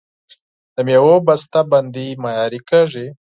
د میوو بسته بندي معیاري کیږي.